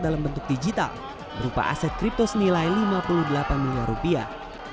dalam bentuk digital berupa aset kripto senilai lima puluh delapan miliar rupiah